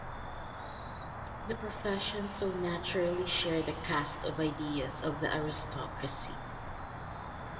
The professions so naturally share the cast of ideas of the aristocracy.